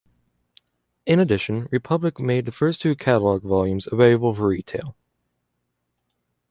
In addition, Republic made the first two catalogue volumes available for retail.